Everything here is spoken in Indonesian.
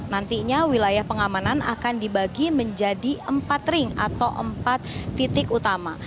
nantinya wilayah pengamanan akan dibagi menjadi empat ring atau empat titik utama